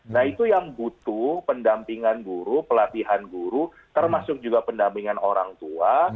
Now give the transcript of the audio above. nah itu yang butuh pendampingan guru pelatihan guru termasuk juga pendampingan orang tua